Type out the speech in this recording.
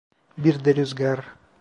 Bir de rüzgar.